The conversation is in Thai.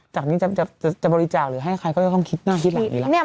จากนี้จะบริเศรษะหรือให้ใครก็ต้องคิดหน้าคิดหลังเดี๋ยว